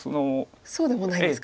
そうでもないですか。